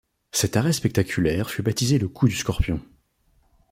Cet arrêt spectaculaire fut baptisé le coup du scorpion.